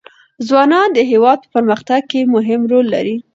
ځوانان د هېواد په پرمختګ کې مهم رول لري.